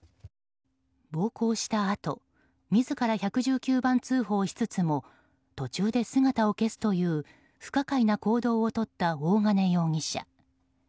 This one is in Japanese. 暴行したあと自ら１１９番通報しつつも途中で姿を消すという不可解な行動をとった大金容疑者。